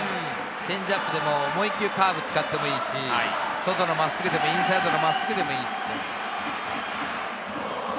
チェンジアップでも、もう１球カーブを使ってもいいし、外の真っすぐでもインサイドの真っすぐでもいいし。